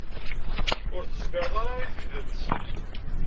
Ur tezmireḍ ara i tidet.